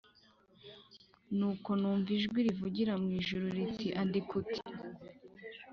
Nuko numva ijwi rivugira mu ijuru riti andika uti